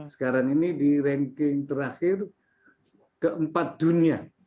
sekarang ini di ranking terakhir keempat dunia